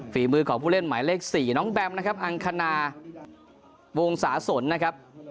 ฝีมือของผู้เล่นหมายเลข๔น้องแบมนะครับอังคณาวงศาสนนะครับ